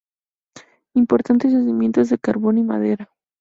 Importantes yacimientos de carbón y madera.